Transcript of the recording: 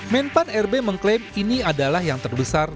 menpan rb mengklaim ini adalah yang terbesar